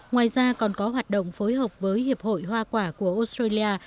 ngoài ra còn có hoạt động phối hợp với hiệp hội hoa quả của australia